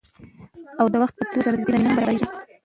او د وخت په تېريدو سره د دې زمينه هم برابريږي.